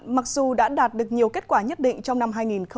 mặc dù đã đạt được nhiều kết quả nhất định trong năm hai nghìn một mươi chín